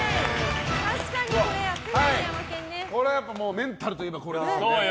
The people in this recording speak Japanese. メンタルといえばこれだから。